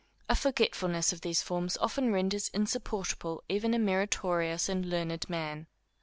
A forgetfulness of these forms often renders insupportable even a meritorious and learned man.